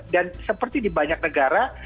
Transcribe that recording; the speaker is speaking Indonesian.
dan seperti di banyak negara